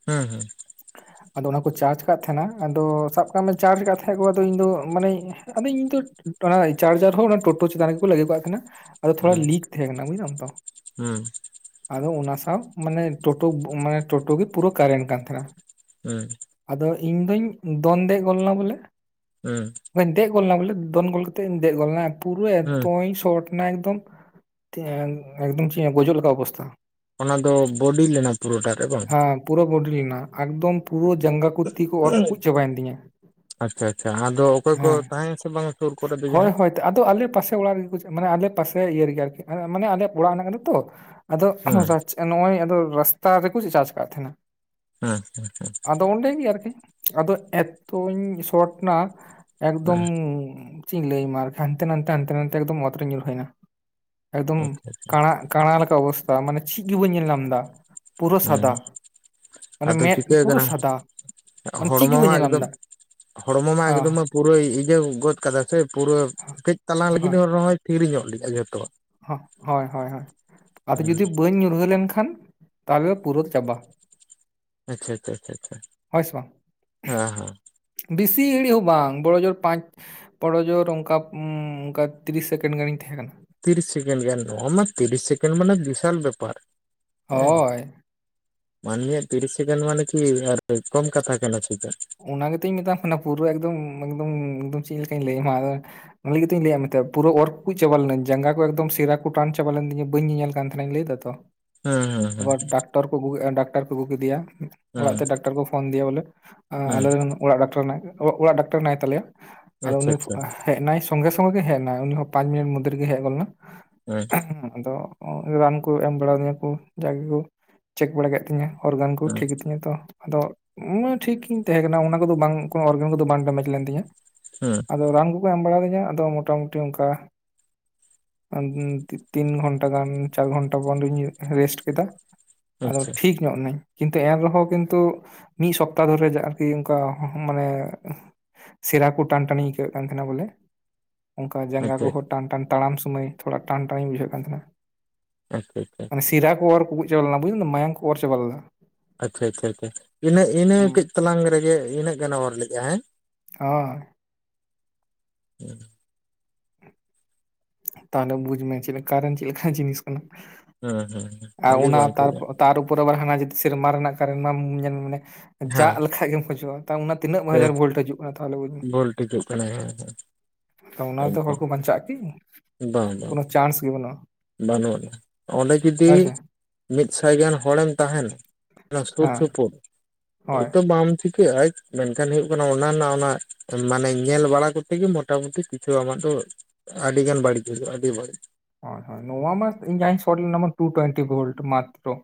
ᱦᱩᱸ ᱦᱩᱸ <unintelligible> ᱟᱫᱚ ᱚᱱᱟ ᱠᱚ ᱪᱟᱨᱡ ᱠᱟᱜ ᱛᱟᱦᱮᱸᱱᱟ ᱟᱫᱚ ᱥᱟᱵ ᱠᱟᱜ ᱢᱮ ᱪᱟᱨᱡ ᱠᱟᱜ ᱛᱟᱦᱮᱸᱫ ᱠᱚ ᱟᱫᱚ ᱤᱧ ᱫᱚ ᱢᱟᱱᱮ ᱟᱫᱚ ᱤᱧ ᱫᱚ ᱚᱱᱟ ᱪᱟᱨᱡᱟᱨ ᱦᱚᱸ ᱚᱱᱟ ᱴᱳᱴᱳ ᱪᱮᱛᱟᱱ ᱨᱮ ᱜᱮᱠᱚ ᱞᱟᱫᱮ ᱠᱟᱜ ᱠᱟᱱᱟ᱾ ᱟᱫᱚ ᱛᱷᱚᱲᱟ ᱦᱩᱸ ᱞᱤᱠ ᱛᱟᱦᱮᱸ ᱠᱟᱱᱟ ᱵᱩᱡᱫᱟᱢ ᱛᱚ᱾ ᱦᱩᱸ ᱟᱫᱚ ᱚᱱᱟ ᱥᱟᱶ ᱢᱟᱱᱮ ᱴᱳᱴᱳ ᱢᱟᱱᱮ ᱴᱳᱴᱳ ᱜᱮ ᱯᱩᱨᱟᱹ ᱠᱟᱨᱮᱱᱴ ᱠᱟᱱ ᱛᱟᱦᱮᱱᱟ᱾ ᱦᱩᱸ ᱟᱫᱚ ᱤᱧ ᱫᱚᱧ ᱫᱚᱱ ᱫᱮᱡ ᱜᱚᱫ ᱞᱮᱱᱟ ᱵᱚᱞᱮ ᱦᱩᱸ ᱫᱮᱡ ᱜᱚᱫ ᱞᱮᱱᱟ ᱵᱚᱞᱮ ᱫᱚᱱ ᱜᱳᱞ ᱠᱟᱛᱮᱧ ᱫᱮᱡ ᱜᱚ ᱯᱩᱨᱟ. ᱦᱩᱸ ᱚᱠᱫᱚᱢ ᱥᱚᱴ ᱚᱱᱮ ᱮᱠᱫᱚᱢ ᱮᱠᱫᱚᱢ ᱪᱮᱫ ᱜᱚᱡᱚᱜ ᱞᱮᱠᱟ ᱚᱵᱚᱥᱛᱟ᱾ ᱚᱱᱟ ᱫᱚ ᱵᱚᱰᱤ ᱞᱮᱱᱟ ᱯᱩᱨᱟᱹᱴᱟ ᱨᱮ ᱵᱟᱝ ᱦᱮᱸ ᱯᱩᱨᱟᱹ ᱵᱚᱰᱤ ᱞᱮᱱᱟ, ᱮᱠᱫᱚᱢ ᱯᱩᱨᱟᱹ ᱡᱟᱸᱜᱟ ᱠᱚ ᱛᱤ ᱠᱚ ᱚᱨ ᱠᱩᱡ ᱪᱟᱵᱟᱭᱮᱱ ᱛᱤᱧᱟᱹ ᱾ ᱟᱪᱪᱷᱟ ᱟᱪᱪᱷᱟ ᱟᱫᱚ ᱚᱠᱚᱭ ᱠᱚ ᱛᱟᱦᱮᱸ ᱟ ᱥᱮ ᱵᱟᱝᱟ ᱥᱩᱨ ᱠᱚᱨᱮ ᱡᱟᱦᱟᱸᱭ ᱦᱳᱭ ᱦᱳᱭ ᱛᱚ ᱟᱫᱚ ᱟᱞᱮ ᱯᱟᱥᱮ ᱚᱲᱟᱜ ᱨᱮᱜᱮ ᱠᱚ ᱢᱟᱱᱮ ᱟᱞᱮ ᱯᱟᱥᱮ ᱤᱭᱟᱹ ᱨᱮᱜᱮ ᱟᱨᱠᱤ ᱢᱟᱱᱮ ᱟᱞᱮᱭᱟᱜ ᱚᱲᱟᱜ ᱢᱮᱱᱟᱜ ᱠᱟᱱᱟ ᱛᱚ᱾ ᱟᱫᱚ ᱦᱮᱸ ᱱᱚᱜᱚᱭ ᱨᱟᱥᱛᱟ ᱨᱮᱠᱚ ᱪᱟᱨᱡ ᱠᱟᱫ ᱛᱟᱦᱮᱸᱱᱟ᱾ ᱦᱮᱸ ᱦᱮᱸ ᱦᱮᱸ ᱟᱫᱚ ᱚᱸᱰᱮ ᱜᱮ ᱟᱨᱠᱤ᱾ ᱟᱫᱚ ᱮᱛᱚᱧ ᱥᱚᱨᱴ ᱱᱟ ᱮᱠᱫᱚᱢ ᱦᱮᱸ ᱪᱮᱫ ᱤᱧ ᱞᱟᱹᱭᱟᱢᱟ ᱦᱟᱱᱛᱮ ᱱᱟᱛᱮ ᱦᱟᱱᱛᱮ ᱱᱟᱛᱮ ᱮᱠᱫᱚᱢ ᱚᱛ ᱨᱮᱧ ᱧᱩᱨ ᱦᱟᱹᱭᱱᱟ, ᱮᱠᱫᱚᱢ ᱟᱪᱪᱷᱟ ᱠᱟᱬᱟᱜ ᱠᱟᱸᱬᱟ ᱞᱮᱠᱟ ᱚᱵᱚᱥᱛᱷᱟ ᱢᱟᱱᱮ ᱪᱷᱮᱜ ᱜᱮ ᱵᱟ. ᱧ ᱧᱮᱞ ᱧᱟᱢ ᱫᱟ᱾ ᱯᱩᱨᱟᱹ ᱥᱟᱫᱟ ᱦᱮᱸ ᱢᱟᱱᱮ ᱟᱫᱚ ᱢᱮᱫ ᱪᱤᱠᱟᱹ ᱯᱩᱨᱟᱹ ᱠᱟᱱᱟ ᱥᱟᱫᱟ ᱢᱟᱱᱮ ᱪᱮᱫ ᱜᱮ ᱦᱚᱲᱢᱚ ᱵᱟᱹᱧ ᱢᱟ ᱧᱮᱞ ᱧᱟᱢ ᱮᱠᱫᱚᱢ ᱫᱟ ᱦᱚᱲᱢᱚ ᱢᱟ ᱦᱚᱸ ᱮᱠᱫᱚᱢᱮ ᱯᱩᱨᱟᱹ ᱤᱭᱟᱹ ᱜᱚᱫ ᱠᱟᱫᱟ ᱥᱮ ᱯᱩᱨᱟᱹ ᱠᱟᱹᱡ ᱛᱟᱞᱟᱝ ᱞᱟᱹᱜᱤᱫ ᱨᱚᱦᱚᱭ ᱛᱷᱤᱨ ᱧᱚᱜ ᱞᱮᱜᱼᱟᱭ ᱡᱷᱚᱛᱚ ᱦᱚᱸᱜ ᱦᱚᱭ ᱦᱚᱭ ᱟᱫᱚ ᱡᱩᱫᱤ ᱵᱟᱹᱧ ᱧᱩᱨᱦᱟᱹ ᱞᱮᱱᱠᱷᱟᱱ ᱛᱟᱦᱚᱞᱮ ᱯᱩᱨᱟᱹ ᱪᱟᱵᱟ ᱟᱪᱪᱷᱟ ᱟᱪᱪᱷᱟ ᱟᱪᱪᱷᱟ ᱦᱳᱭ ᱥᱮ ᱵᱟᱝ ᱦᱟ ᱦᱟᱸ ᱵᱮᱥᱤ ᱜᱷᱟᱹᱲᱤᱡ ᱦᱚᱸ ᱵᱟᱝ, ᱵᱚᱲᱚ ᱡᱳᱨ ᱯᱟᱸᱪ ᱵᱚᱲᱚ ᱡᱳᱨ ᱚᱱᱠᱟ ᱚᱱᱠᱟ ᱛᱤᱨᱤᱥ ᱥᱮᱠᱮᱱᱰ ᱜᱟᱱᱤᱧ ᱛᱟᱦᱮᱸ ᱠᱟᱱᱟ᱾ ᱛᱤᱨᱤᱥ ᱥᱮᱠᱮᱱᱰ ᱜᱟᱱ ᱚᱱᱟ ᱛᱤᱨᱤᱥ ᱥᱮᱠᱮᱱᱰ ᱢᱟᱱᱮ ᱵᱤᱥᱟᱞ ᱵᱮᱯᱟᱨ ᱦᱮᱸ᱾ ᱦᱳᱭ ᱢᱟᱹᱱᱢᱤᱭᱟᱜ ᱛᱤᱨᱤᱥ ᱥᱮᱠᱮᱱᱰ ᱢᱟᱱᱮ ᱠᱤ ᱟᱨ ᱠᱚᱢ ᱠᱟᱛᱷᱟ ᱠᱟᱱᱟ ᱪᱮᱛᱟ᱾ ᱚᱱᱟ ᱜᱮᱛᱚᱧ ᱢᱮᱛᱟᱢ ᱠᱟᱱᱟ ᱯᱩᱨᱟᱹ ᱮᱠᱫᱚᱢ ᱮᱠᱫᱚᱢ ᱪᱮᱫ ᱞᱮᱠᱟᱧ ᱞᱟᱹᱭ ᱟᱢᱟ ᱟᱫᱚ ᱚᱱᱟ ᱞᱟᱹᱜᱤᱫ ᱜᱮᱛᱩᱧ ᱞᱟᱹᱭᱟᱫ ᱢᱮᱛᱮ ᱯᱩᱨᱟᱹ ᱚᱨ ᱠᱩᱠᱩᱡ ᱪᱟᱵᱟ ᱞᱮᱱᱟᱧ ᱡᱟᱸᱜᱟ ᱠᱚ ᱮᱠᱫᱟᱢ ᱥᱮᱨᱟ ᱠᱚ ᱴᱟᱱ ᱪᱟᱵᱟ ᱞᱮᱱ ᱛᱤᱧᱟ ᱵᱟᱹ ᱧᱮᱧᱮᱞ ᱠᱟᱱ ᱛᱟᱦᱮᱸ᱾ ᱡᱟᱦᱟᱸ ᱱᱟᱜ ᱤᱧ ᱞᱟᱹᱭ ᱫᱟᱛᱚ, ᱦᱮᱸ ᱦᱮᱸ ᱟᱵᱟᱨ ᱰᱟᱠᱛᱚᱨ ᱠᱚ ᱜᱩ ᱮᱱ ᱰᱟᱠᱛᱟᱨ ᱠᱚ ᱟᱹᱜᱩ ᱠᱮᱫᱮᱭᱟ᱾ ᱚᱲᱟᱜ ᱦᱮᱸ ᱦᱮᱸ ᱛᱮ ᱰᱟᱠᱴᱟᱨ ᱠᱚ ᱯᱷᱳᱱ ᱫᱤᱭᱟ ᱵᱚᱞᱮ ᱦᱮᱸ ᱟᱞᱮᱨᱮᱱ ᱚᱲᱟᱜ ᱰᱟᱠᱴᱟᱨ ᱦᱮᱱᱟᱭᱟ, ᱚ ᱚᱲᱟᱜ ᱰᱟᱠᱴᱟᱨ ᱦᱮᱱᱟᱭ ᱛᱟᱞᱮᱭᱟ ᱟᱫᱚ ᱟᱪᱪᱷᱟ ᱩᱱᱤ ᱟᱪᱪᱷᱟ ᱦᱮᱡ ᱱᱟᱭ ᱥᱚᱝᱜᱮ ᱥᱚᱸᱜᱮ ᱜᱮ ᱦᱮᱜ ᱱᱟᱭ ᱩᱱᱤ ᱦᱚᱸ ᱯᱟᱸᱪ ᱢᱤᱱᱤᱴ ᱢᱚᱫᱽᱫᱷᱮ ᱨᱮᱜᱮ ᱦᱮᱜ ᱜᱚᱫ ᱞᱮᱱᱟ, ᱦᱮᱸ ᱟᱫᱚ ᱨᱟᱱ ᱠᱚ ᱮᱢ ᱵᱟᱲᱟᱫᱤᱧᱟᱹ ᱠᱚ ᱡᱟᱜᱮᱠᱚ ᱪᱮᱠ ᱵᱟᱲᱟ ᱠᱮᱫ ᱛᱤᱧᱟᱹ ᱚᱨᱜᱟᱱ ᱠᱚ ᱦᱮᱸ ᱴᱷᱤᱠ ᱜᱤᱛᱤᱧᱟᱹ ᱛᱚ᱾ ᱟᱫᱚ ᱴᱷᱤᱠ ᱜᱤᱧ ᱛᱟᱦᱮᱸ ᱠᱟᱱᱟ ᱚᱱᱟ ᱠᱚᱫᱚ ᱵᱟᱝ ᱠᱳ ᱚᱨᱜᱟᱱ ᱠᱚ ᱫᱚ ᱵᱟᱝ ᱰᱮᱢᱮᱡᱽ ᱞᱮᱱ ᱛᱤᱧᱟᱹ ᱦᱮᱸ ᱟᱫᱚ ᱨᱟᱱ ᱠᱚ ᱠᱚ ᱮᱢ ᱵᱟᱲᱟ ᱫᱤᱧᱟ, ᱟᱫᱚ ᱢᱚᱴᱟ ᱢᱩᱴᱤ ᱚᱱᱠᱟ ᱛᱤᱱ ᱜᱷᱚᱱᱴᱟ ᱜᱟᱱ, ᱪᱟᱨ ᱜᱷᱚᱱᱴᱟ ᱵᱚᱱᱫᱚᱧ ᱨᱮᱥᱴ ᱠᱮᱫᱟ᱾ ᱟᱫᱚ ᱟᱪᱪᱷᱟ ᱴᱷᱤᱠ ᱧᱚᱜ ᱱᱟᱹᱧ᱾ ᱠᱤᱱᱛᱩ ᱮᱱ ᱨᱮᱦᱚᱸ ᱠᱤᱱᱛᱩ ᱢᱤᱫ ᱥᱚᱯᱛᱟᱦ ᱫᱷᱚᱨᱮ ᱚᱱᱠᱟ ᱢᱟᱱᱮ ᱥᱮᱨᱟ ᱠᱚ ᱴᱟᱱ ᱴᱟᱱᱤᱧ ᱟᱹᱭᱠᱟᱹᱣᱮᱫ ᱠᱟᱱ ᱛᱟᱦᱮᱱᱟ ᱵᱚᱞᱮ᱾ ᱚᱱᱠᱟ ᱡᱟᱸᱜᱟ ᱟᱪᱪᱷᱟ ᱠᱚᱦᱚᱸ ᱴᱟᱱ ᱴᱟᱱ ᱛᱟᱲᱟᱢ ᱥᱚᱢᱚᱭ ᱛᱷᱚᱲᱟ ᱴᱟᱱ ᱴᱟᱱᱤᱧ ᱵᱩᱡᱷᱟᱹᱣᱮᱜ ᱠᱟᱱ ᱛᱟᱦᱮᱱᱟ᱾ ᱟᱪᱪᱷᱟ ᱟᱪᱷᱟ ᱢᱟᱱᱮ ᱥᱤᱨᱟ ᱠᱚ ᱚᱨ ᱠᱚᱠᱩᱡ ᱪᱟᱵᱟ ᱞᱮᱱᱟ ᱵᱟᱹᱧ ᱞᱮᱫᱟ ᱢᱟᱭᱟᱝ ᱠᱚ ᱚᱨ ᱪᱟᱵᱟ ᱞᱮᱱᱟ᱾ ᱟᱪᱪᱷᱟ ᱟᱪᱪᱷᱟ ᱤᱱᱟᱹ ᱤᱱᱟᱹ ᱦᱩᱸ ᱠᱟᱹᱡ ᱛᱟᱞᱟᱝ ᱨᱮᱜᱮ ᱤᱱᱟᱹᱜ ᱜᱟᱱᱮ ᱚᱨ ᱞᱮᱫᱼᱟ ᱦᱮᱸ᱾ ᱦᱚᱭ <inaudible> ᱛᱟᱦᱚᱞᱮ ᱵᱩᱡ ᱢᱮ ᱪᱮᱫ ᱞᱮᱠᱟᱨᱮᱱ ᱪᱮᱫ ᱞᱮᱠᱟ ᱡᱤᱱᱤᱥ ᱠᱟᱱᱟ᱾ ᱦᱮᱸ ᱦᱮᱸ ᱟ ᱟᱹᱰᱤ ᱚᱱᱟ ᱵᱟᱝ ᱛᱟᱨ ᱴᱷᱤᱠ ᱯᱚ ᱛᱟᱨ ᱯᱚᱨᱮ ᱟᱵᱟᱨ ᱦᱟᱱᱟ ᱡᱩᱫᱤ ᱥᱮᱨᱢᱟ ᱨᱮᱱᱟᱜ ᱠᱟᱨᱮᱱ ᱢᱟᱢ ᱧᱮᱞ ᱢᱟᱱᱮ ᱡᱟᱜ ᱦᱮᱸ ᱞᱮᱠᱷᱟᱡ ᱜᱮᱢ ᱠᱷᱚᱡᱚᱜᱼᱟ᱾ ᱛᱚᱝ ᱚᱱᱟ ᱛᱤᱱᱟᱹᱜ ᱦᱟᱡᱟᱨ ᱵᱷᱳᱹᱞᱴᱮᱡᱽ ᱦᱤᱡᱩᱜ ᱠᱟᱱᱟ᱾ ᱛᱟᱦᱚᱞᱮ ᱵᱩᱡᱽ ᱢᱮ ᱵᱷᱩᱞ ᱴᱷᱤᱠᱚᱜ ᱠᱟᱱᱟ ᱦᱮᱸ ᱛᱚ ᱚᱱᱟᱛᱮ ᱦᱚᱲ ᱮᱠᱫᱚᱢ ᱠᱚ ᱵᱟᱧᱪᱟᱜᱼᱟ ᱠᱤ, ᱵᱟᱝ ᱵᱟᱝ ᱠᱳᱱᱳ ᱪᱟᱱᱥ ᱜᱮ ᱵᱟᱹᱱᱩᱜᱼᱟ᱾ ᱵᱟᱹᱱᱩᱜ ᱟᱱᱟ᱾ ᱚᱸᱰᱮ ᱡᱩᱫᱤ ᱦᱳᱭ ᱥᱮ ᱢᱤᱫ ᱥᱟᱭ ᱜᱟᱱ ᱦᱚᱲᱮᱢ ᱛᱟᱦᱮᱱᱟ ᱚᱱᱟ ᱥᱩᱨ ᱦᱮᱸ ᱥᱩᱯᱩ ᱦᱳᱭ ᱦᱚᱭᱛᱚ ᱵᱟᱢ ᱪᱤᱠᱟᱹᱜ-ᱟ ᱢᱮᱱᱠᱷᱟᱱ ᱦᱳᱭᱳᱜ ᱠᱟᱱᱟ ᱚᱱᱟ ᱨᱮᱱᱟᱜ ᱚᱱᱟ ᱢᱟᱱᱮ ᱧᱮᱞ ᱵᱟᱲᱟ ᱠᱚᱛᱮ ᱜᱮ ᱢᱚᱴᱟᱢᱩᱴᱤ ᱠᱤᱪᱷᱩ ᱟᱢᱟᱜ ᱫᱚ ᱟᱹᱰᱤ ᱜᱟᱱ ᱵᱟᱹᱲᱤᱡ ᱵᱩᱡᱷᱟᱹᱜ-ᱟ, ᱟᱹᱰᱤ ᱵᱟᱹᱲᱤᱡ᱾ ᱦᱚᱭ ᱦᱚᱭ ᱱᱚᱣᱟ ᱢᱟ ᱤᱧ ᱡᱟᱦᱟᱸᱧ ᱥᱚᱨᱴ ᱞᱮᱱᱟ ᱵᱟᱝ, ᱴᱩ ᱴᱩᱭᱮᱱᱴᱤ ᱵᱷᱳᱹᱞᱴ ᱢᱟᱛᱛᱨᱚ᱾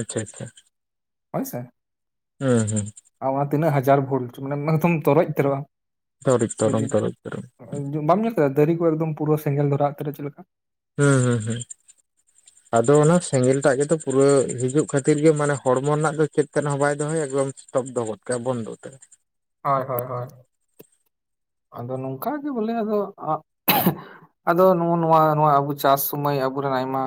ᱟᱪᱪᱷᱟ ᱟᱪᱪᱷᱟ ᱦᱳᱭᱥᱮ, ᱦᱩᱸ ᱦᱩᱸ ᱚᱱᱟ ᱛᱤᱱᱟᱹᱜ ᱦᱟᱡᱟᱨ ᱵᱷᱳᱹᱞᱴ ᱢᱟᱱᱮ ᱢᱟᱱᱮᱛᱚᱢ ᱛᱚᱨᱚᱡ ᱩᱛᱟᱹᱨᱚᱜᱼᱟ᱾ ᱡᱩᱫᱤ <inaudible> ᱵᱟᱢ ᱧᱮᱞ ᱠᱟᱫᱟ ᱫᱟᱨᱮ ᱠᱚ ᱮᱠᱫᱚᱢ ᱯᱩᱨᱟᱹ ᱥᱮᱸᱜᱮᱞ ᱫᱷᱚᱨᱟᱣ ᱩᱛᱟᱹᱨᱚᱜ-ᱟ ᱪᱮᱞᱮ ᱠᱟ᱾ ᱦᱩᱸ ᱦᱩᱸ ᱦᱩᱸ <unintelligible> ᱟᱫᱚ ᱚᱱᱟ ᱥᱮᱸᱜᱮᱞ ᱴᱟᱜ ᱜᱮᱛᱚ ᱯᱩᱨᱟᱹ ᱦᱤᱡᱩᱜ ᱠᱷᱟᱹᱛᱤᱨ ᱜᱮ ᱢᱟᱱᱮ ᱦᱚᱲᱢᱚ ᱨᱮᱱᱟᱜ ᱫᱚ ᱪᱮᱫ ᱛᱮᱦᱚᱸ ᱵᱟᱭ ᱫᱚᱦᱚ ᱮᱠᱫᱚᱢ ᱥᱛᱚᱵᱫᱚ ᱜᱚᱫ ᱠᱟ ᱟᱭ ᱵᱚᱱᱫᱚ ᱩᱛᱟ. ᱨ ᱦᱳᱭ ᱦᱳᱭ ᱦᱳᱭ ᱟᱫᱚ ᱱᱚᱝᱠᱟ ᱜᱮ ᱵᱚᱞᱮ ᱟᱫᱚ ᱟ ᱟᱫᱚ ᱱᱚᱜ ᱱᱚᱣᱟ ᱱᱚᱣᱟ ᱟᱵᱚ ᱪᱟᱥ ᱥᱩᱚᱢᱚᱭ ᱟᱵᱚᱨᱮᱱ ᱟᱭᱢᱟ